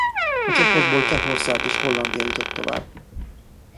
A csoportból Csehország és Hollandia jutott tovább.